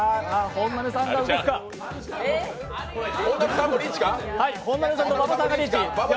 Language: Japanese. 本並さんと馬場さんがリーチ。